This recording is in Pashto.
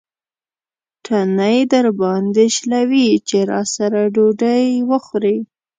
تڼۍ درباندې شلوي چې راسره ډوډۍ وخورې.